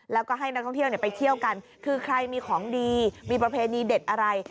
แล้วก็ให้นักท่องเที่ยวไปเที่ยวกันคือใครมีของดีมีประเพณีเด็ดอะไร